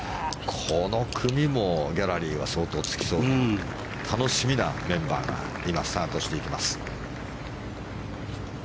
この組もギャラリーは相当つきそうな楽しみなメンバーが今、スタートしていきます。